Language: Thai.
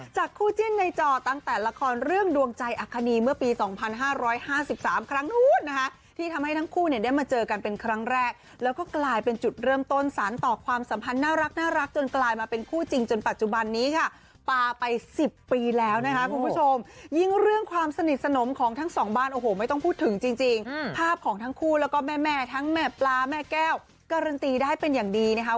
จากคู่จิ้นในจอตั้งแต่ละครเรื่องดวงใจอคโนีเมื่อปี๒๕๕๓ครั้งทุนที่ทำให้ทั้งคู่เนี่ยได้มาเจอกันเป็นครั้งแรกแล้วก็กลายเป็นจุดเริ่มต้นสารต่อความสัมพันธ์น่ารักจนกลายมาเป็นคู่จริงจนปัจจุบันนี้ค่ะปาไป๑๐ปีแล้วนะฮะคุณผู้ชมยิ่งเรื่องความสนิทสนมของทั้งสองบ้านโอ้โหไม่ต้องพูดถึงจริง